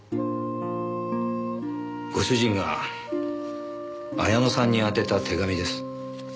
ご主人が彩乃さんに宛てた手紙です。